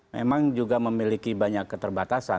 memang juga memiliki banyak keterbatasan